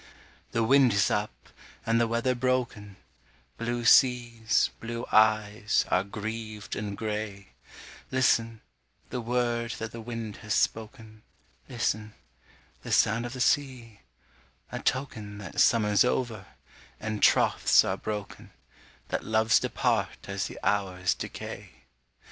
The wind is up, and the weather broken, Blue seas, blue eyes, are grieved and grey, Listen, the word that the wind has spoken, Listen, the sound of the sea,—a token That summer's over, and troths are broken,— That loves depart as the hours decay.